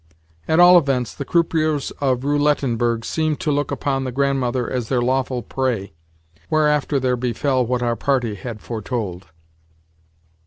At all events, the croupiers of Roulettenberg seemed to look upon the Grandmother as their lawful prey—whereafter there befell what our party had foretold.